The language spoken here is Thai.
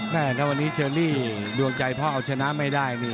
แน่นว่าวันนี้เชอรี่ดวงใจเพราะเขาชนะไม่ได้